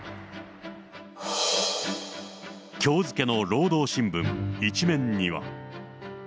きょう付けの労働新聞１面には。